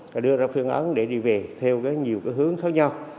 và đưa ra phương án để đi về theo nhiều hướng khác nhau